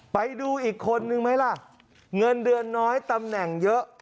ไปดูอีกคนนึงไหมล่ะเงินเดือนน้อยตำแหน่งเยอะ